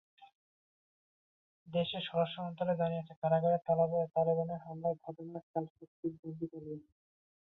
দেশটির স্বরাষ্ট্র মন্ত্রণালয় জানিয়েছে, কারাগারে তালেবানের হামলার ঘটনায় চার শতাধিক বন্দী পালিয়েছে।